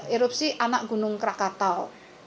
erupsi anak gunung krakatau